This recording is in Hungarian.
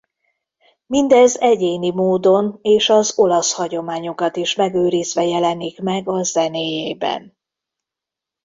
Mindez egyéni módon és az olasz hagyományokat is megőrizve jelenik meg a zenéjében.